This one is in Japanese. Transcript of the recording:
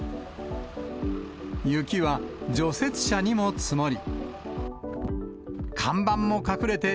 雪は除雪車にも積もり。